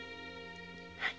はい。